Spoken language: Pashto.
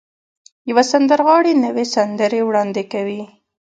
يوه سندرغاړې نوې سندرې وړاندې کوي.